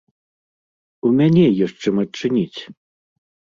У мяне ёсць чым адчыніць!